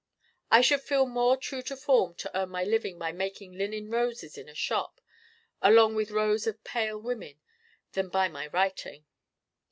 I should feel more true to form to earn my living by making linen roses in a shop, along with rows of pale women, than by my writing.